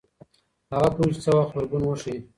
هغه پوهیږي چي څه وخت غبرګون وښيي.